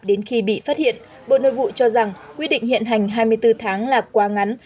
đến khi bị phát hiện bộ nội vụ cho rằng quy định hiện hành hai mươi bốn tháng là quá ngắn